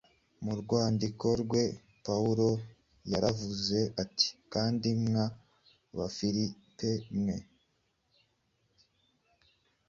Mu rwandiko rwe Pawulo yaravuze ati: “Kandi mwa Bafilipi mwe